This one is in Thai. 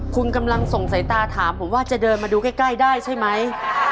คุณกำลังส่งสายตาถามผมว่าจะเดินมาดูใกล้ได้ใช่ไหม